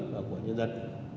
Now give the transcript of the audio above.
và của nhân dân